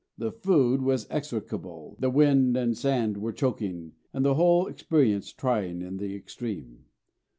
The food was execrable, the wind and sand were choking, and the whole experience trying in the extreme.